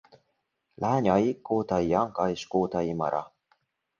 Lányai Kótai Janka és Kótai Mara.